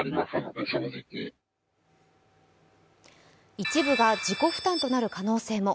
一部が自己負担となる可能性も。